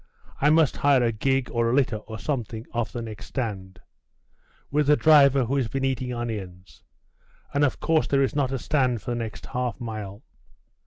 I must hire a gig, or a litter, or some thing, off the next stand .... with a driver who has been eating onions.... and of course there is not a stand for the next half mile.